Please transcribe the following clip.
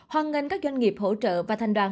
hoàn ngân các doanh nghiệp hỗ trợ và thành đoàn